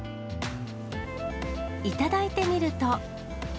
頂いてみると。